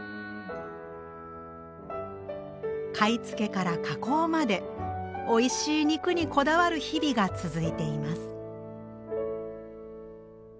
買い付けから加工までおいしい肉にこだわる日々が続いています。